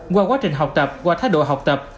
qua quá trình học tập qua thái độ học tập